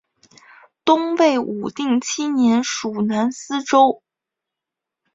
东魏武定七年属南司州。